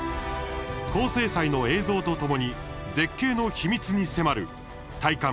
高精細の映像とともに絶景の秘密に迫る「体感！